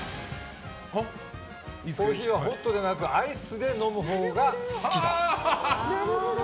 コーヒーはホットではなくアイスで飲むほうが好きだ！